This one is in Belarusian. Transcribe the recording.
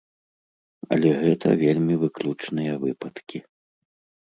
Але гэта вельмі выключныя выпадкі.